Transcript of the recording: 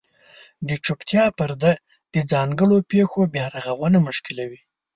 د چوپتیا پرده د ځانګړو پېښو بیارغونه مشکلوي.